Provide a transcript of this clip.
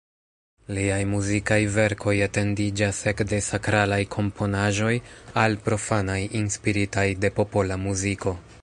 Liaj muzikaj verkoj etendiĝas ekde sakralaj komponaĵoj al profanaj inspiritaj de popola muziko.